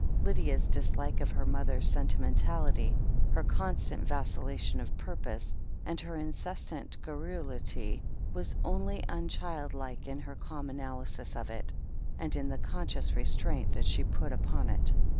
Lydia's dislike of her mother's sentimentality, her con stant vacillation of purpose, and her incessant gar rulity, was only uncWldlike in her calm analysis of it, and in the conscious restraint that she put upon it.